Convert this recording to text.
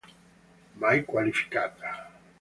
Mai qualificata.